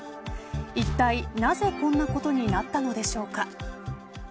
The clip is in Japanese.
いったい、なぜこんなことになったのでしょうか。